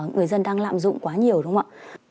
người dân đang lạm dụng quá nhiều đúng không ạ